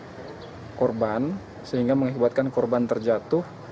kemudian terlilitnya pakaian yang digunakan di kendaraan korban sehingga mengakibatkan korban terjatuh